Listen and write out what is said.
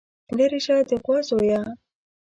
ليرې شه د غوا زويه.